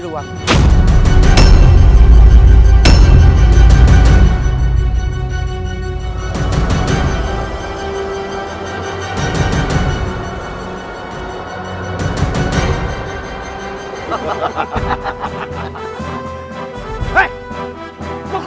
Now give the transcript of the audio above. mau kemana kalian